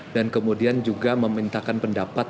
dan kemudian juga memintakan pendapat